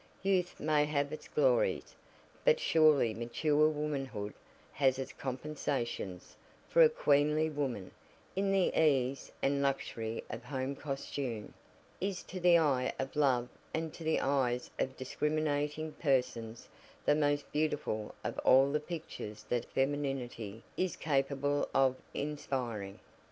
Youth may have its glories, but surely mature womanhood has its compensations, for a queenly woman, in the ease and luxury of home costume, is to the eye of love and to the eyes of discriminating persons the most beautiful of all the pictures that femininity is capable of inspiring.